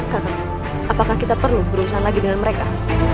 kakak apakah kita perlu berusaha lagi dengan mereka